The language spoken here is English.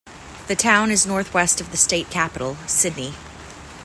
The town is northwest of the state capital, Sydney.